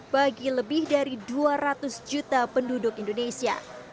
bagi lebih dari dua ratus juta penduduk indonesia